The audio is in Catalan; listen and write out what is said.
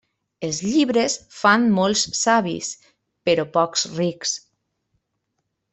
Els llibres fan molts savis, però pocs rics.